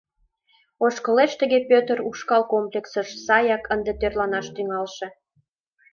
Ошкылеш тыге Пӧтыр ушкал комплексыш, саяк, ынде тӧрланаш тӱҥалше.